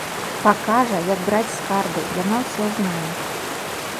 Пакажа, як браць скарбы, яна ўсё знае!